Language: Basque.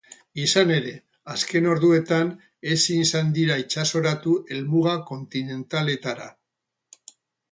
Izan ere, azken orduetan ezin izan dira itsasoratu helmuga kontinentaletara.